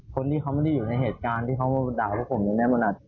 คนที่เขาไม่ได้อยู่ในเหตุการณ์ที่เขาด่าพวกผมอย่างนี้มัน